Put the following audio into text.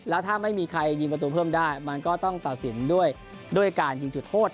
แล้วถ้าไม่มีใครยิงประตูเพิ่มได้มันก็ต้องตัดสินด้วยการยิงจุดโทษ